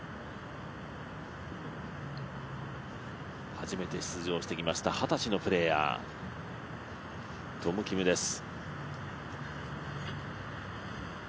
初めて出場してきました二十歳のプレーヤートム・キムです。